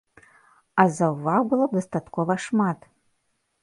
А заўваг было дастаткова шмат.